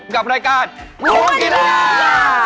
กับรายการร้องกีฬา